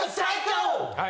はい。